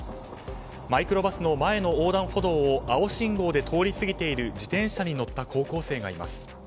マイクロバスの前の横断歩道を青信号で通り過ぎている自転車に乗った高校生がいます。